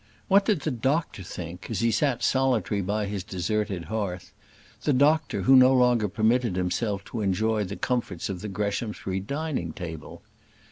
What did the doctor think, as he sat solitary by his deserted hearth the doctor, who no longer permitted himself to enjoy the comforts of the Greshamsbury dining table?